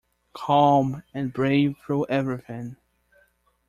Calm and brave through everything.